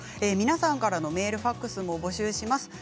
皆さんからのメールファックスも募集します。